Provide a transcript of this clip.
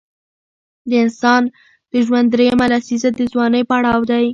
د انسان د ژوند دریمه لسیزه د ځوانۍ پړاو دی.